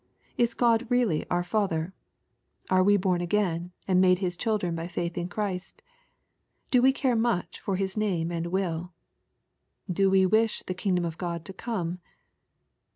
— Is God really our Father ?— Are we born again^ and made His children by faith in Christ ?— Do we care much for His name and will ?— Do we really wish the kingdom of God to cbme?